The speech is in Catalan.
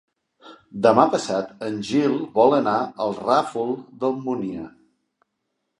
Demà passat en Gil vol anar al Ràfol d'Almúnia.